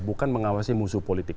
bukan mengawasi musuh politik